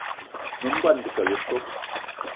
Nyom ngón Bikele o so!